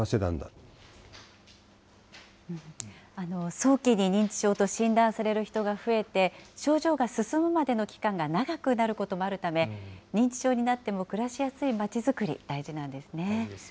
早期に認知症と診断される人が増えて、症状が進むまでの期間が長くなることもあるため、認知症になっても暮らしやすいまちづくり、大事なんですね。